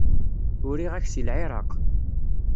Uriɣ-ak seg Lɛiraq.